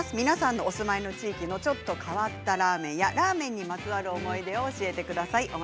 皆さんお住まいの地域のちょっと変わったラーメンやラーメンにまつわる思い出を教えてください